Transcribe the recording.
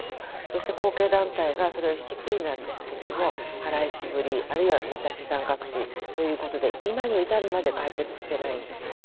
そして後継団体がそれを引き継いだんですけれども払い渋り、あるいはまた資産隠しということで今に至るまで解決してないんですよね。